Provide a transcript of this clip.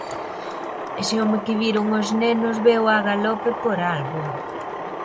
Ese home que viron os nenos veu a galope por algo.